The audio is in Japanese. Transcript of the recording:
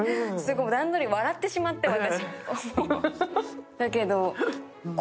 段取りで笑ってしまって、私。